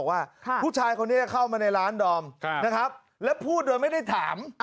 อะมาถึงก็เดินมาถึงแล้วก็บอกว่า